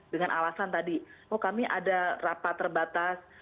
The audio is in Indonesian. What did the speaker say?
dengan alasan tadi oh kami ada rapat terbatas